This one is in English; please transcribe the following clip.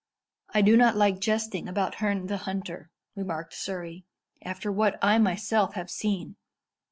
"I do not like jesting about Herne the Hunter," remarked Surrey, "after what I myself have seen.